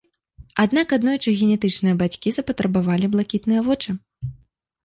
Аднак аднойчы генетычныя бацькі запатрабавалі блакітныя вочы.